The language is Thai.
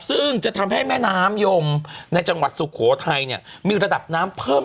ซึ่งจะทำให้แม่น้ำยมในจังหวัดสุโขทัยเนี่ยมีระดับน้ำเพิ่ม